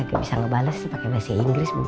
gak bisa ngebales sih pakai bahasa inggris bu